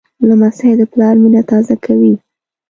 لمسی د پلار مینه تازه کوي.